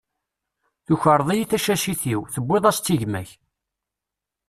Tukreḍ-iyi tacacit-iw, tewwiḍ-as-tt i gma-k.